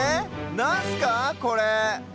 なんすかこれ？